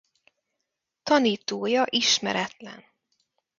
Tanítója ismeretlen.